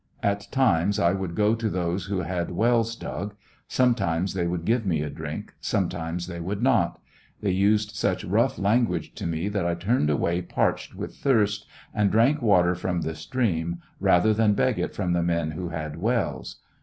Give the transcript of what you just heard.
At times I would goto those who had wells dug ; sometimes they would give me a drink, some times they would not ; they used such rough language to me that I turned away parched with thirst and drank water from the stream rather than beg it from the men who had wells.